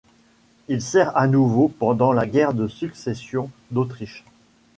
Il sert à nouveau pendant la guerre de Succession d'Autriche.